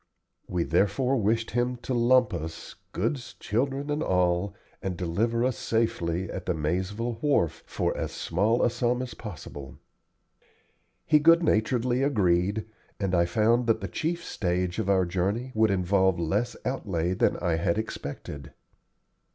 We therefore wished him to "lump" us, goods, children, and all, and deliver us safely at the Maizeville wharf for as small a sum as possible. He good naturedly agreed, and I found that the chief stage of our journey would involve less outlay than I had expected.